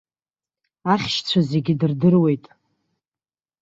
Ахьшьцәа зегьы дырдыруеит.